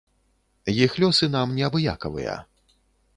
Іх лёсы нам не абыякавыя.